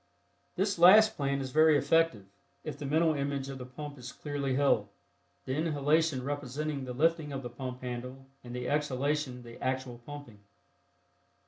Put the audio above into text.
This last plan is very effective if the mental image of the pump is clearly held, the inhalation representing the lifting of the pump handle and the exhalation the actual pumping.